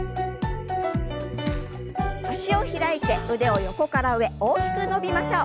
脚を開いて腕を横から上大きく伸びましょう。